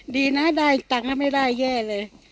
ดีนะได้ตังค์ไม่ได้แย่เลย